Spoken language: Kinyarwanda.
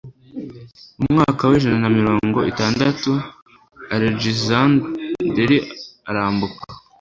mu mwaka w'ijana na mirongo itandatu, alegisanderi arambuka